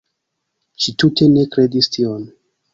Ŝi tute ne kredis tion.